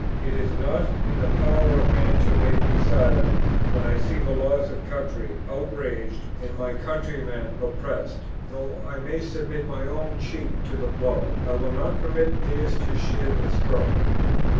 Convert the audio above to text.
It is not in the power of man to make me silent when I see the laws of country outraged and my countrymen oppressed. Though I may submit my own cheek to the blow, I will not permit theirs to share the stroke.